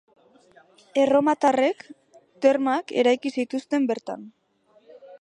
Erromatarrek termak eraiki zituzten bertan.